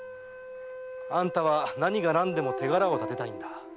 あんたは何が何でも手柄を立てたいんだ。